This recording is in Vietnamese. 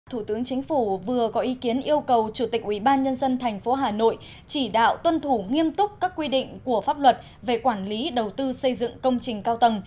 thủ tướng chính phủ vừa có ý kiến yêu cầu chủ tịch ubnd tp hà nội chỉ đạo tuân thủ nghiêm túc các quy định của pháp luật về quản lý đầu tư xây dựng công trình cao tầng